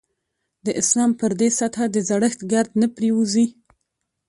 د اسلام پر دې سطح د زړښت ګرد نه پرېوځي.